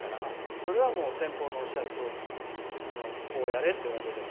それは先方のおっしゃるとおりこうやれと言われれば。